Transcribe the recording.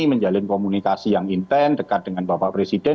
menjalin komunikasi yang intens dekat dengan bapak presiden